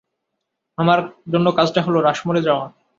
আমার জন্য কাজটা হল রাশমোরে যাওয়া।